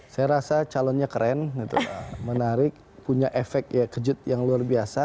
saya rasa calonnya keren menarik punya efek kejut yang luar biasa